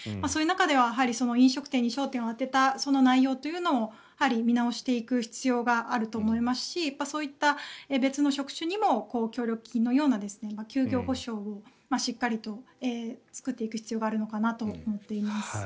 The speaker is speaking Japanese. そういう中では飲食店に焦点を当てた内容というのを見直していく必要があると思いますしそういった別の職種にも協力金のような休業補償をしっかり作っていく必要があるかなと思います。